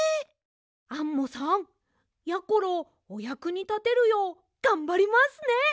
アンモさんやころおやくにたてるようがんばりますね！